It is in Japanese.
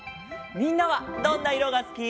みんなはどんないろがすき？